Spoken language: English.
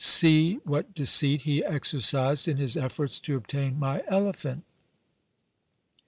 See what deceit he exercised in his efforts to obtain my elephant.